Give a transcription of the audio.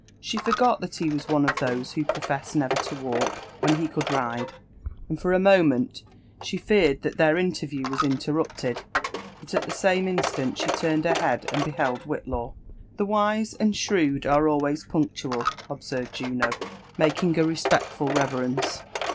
She forgot that he was one of those who professed never to walk when he could ride, and for a moment she feared that their interview was interrupted; but at the lame instant she turned her head and beheld Whitlaw. "The wise and shrewd are always punctual," observed Juno, nukiog a respectful reverence.